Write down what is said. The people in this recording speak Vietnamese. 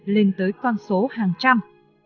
lên tới con số hàng trăm